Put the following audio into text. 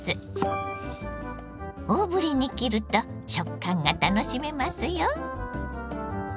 大ぶりに切ると食感が楽しめますよ。